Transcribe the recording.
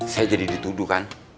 saya jadi dituduh kan